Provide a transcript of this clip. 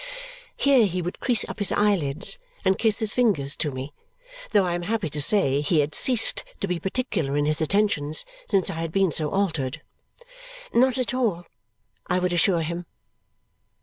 Here he would crease up his eyelids and kiss his fingers to me, though I am happy to say he had ceased to be particular in his attentions since I had been so altered. "Not at all," I would assure him.